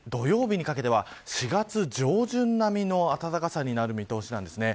さらに土曜日にかけては４月上旬並みの暖かさになる見通しなんです。